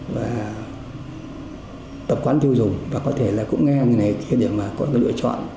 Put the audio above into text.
và tập quán tiêu dùng và có thể là cũng nghe người này khi để mà có cái lựa chọn